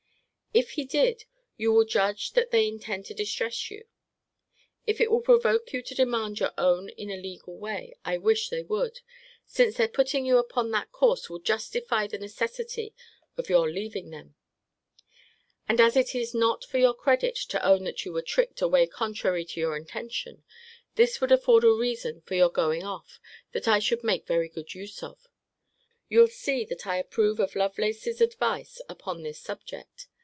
If he did, you will judge that they intend to distress you. If it will provoke you to demand your own in a legal way, I wish they would; since their putting you upon that course will justify the necessity of your leaving them. And as it is not for your credit to own that you were tricked away contrary to your intention, this would afford a reason for your going off, that I should make very good use of. You'll see, that I approve of Lovelace's advice upon this subject.